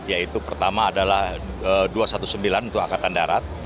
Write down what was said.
yaitu pertama adalah dua ratus sembilan belas untuk angkatan darat